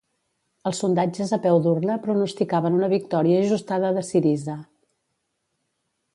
El sondatges a peu d'urna pronosticaven una victòria ajustada de Syriza.